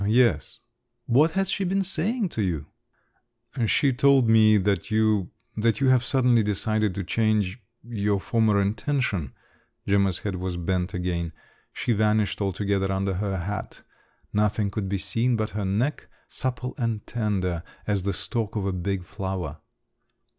"Yes." "What has she been saying to you?" "She told me that you … that you have suddenly decided to change … your former intention." Gemma's head was bent again. She vanished altogether under her hat; nothing could be seen but her neck, supple and tender as the stalk of a big flower.